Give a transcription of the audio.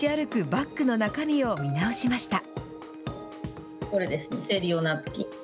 バッグの中身を見直しました。